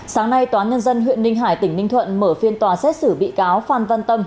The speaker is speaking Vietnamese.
sáng nay tòa nhân dân huyện ninh hải tỉnh ninh thuận mở phiên tòa xét xử bị cáo phan văn tâm